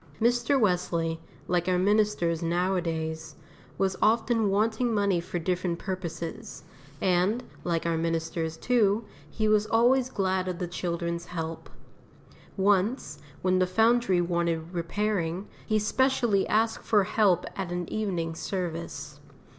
Mr. Wesley, like our ministers nowadays, was often wanting money for different purposes, and, like our ministers too, he was always glad of the children's help. Once, when the Foundry wanted repairing, he specially asked for help at an evening service.